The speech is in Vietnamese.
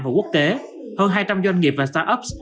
và quốc tế hơn hai trăm linh doanh nghiệp và start ups